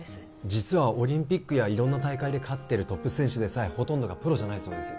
実はオリンピックや色んな大会で勝ってるトップ選手でさえほとんどがプロじゃないそうです